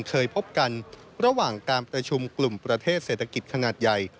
เคยพบกันระหว่างการประชุมกลุ่มประเทศเศรษฐกิจขนาดใหญ่